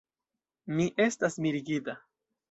Mi estas mirigita.